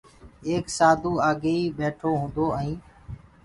ايڪ سآڌوٚ آگيئيٚ ٻيٺو هُونٚدو ائينٚ